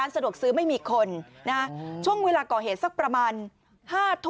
ขนมขบเคี้ยวบุรีอีก๘ซอง